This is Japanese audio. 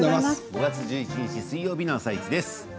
５月１１日水曜日の「あさイチ」です。